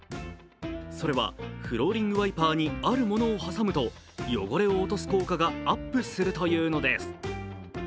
それはフローリングワイパーにあるものを挟むと汚れを落とす効果がアップするというのです。